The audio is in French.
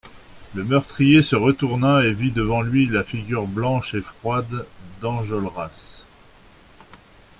Le meurtrier se retourna et vit devant lui la figure blanche et froide d'Enjolras.